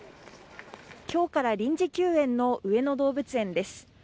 きょうから臨時休園の上野動物園です。